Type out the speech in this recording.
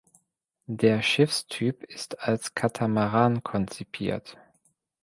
Der Schiffstyp ist als Katamaran konzipiert.